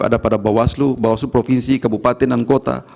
ada pada bawaslu bawaslu provinsi kabupaten dan kota